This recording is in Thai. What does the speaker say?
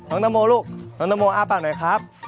น้องตังโมลูกน้องตะโมอ้าปากหน่อยครับ